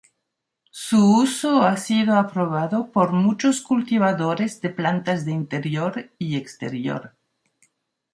Su uso ha sido aprobado por muchos cultivadores de plantas de interior y exterior.